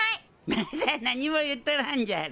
まだ何も言っとらんじゃろ。